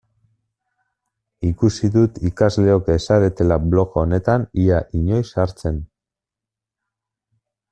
Ikusi dut ikasleok ez zaretela blog honetan ia inoiz sartzen.